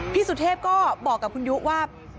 สุเทพก็บอกกับคุณยุว่า